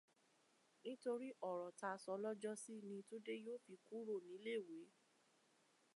Nítori ọrọ táa sọ lọ́jọ́sí ni Túndé yoo fi kúrò nílé ìwé.